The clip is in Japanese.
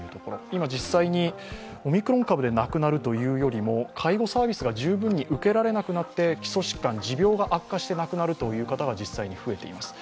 今、実際にオミクロン株で亡くなるというよりも介護サービスが十分に受けられなくなって基礎疾患、持病が悪化して亡くなる方が実際に増えています。